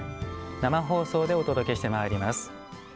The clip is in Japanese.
生放送でお届けしてまいります。